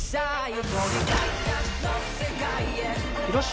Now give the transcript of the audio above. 広島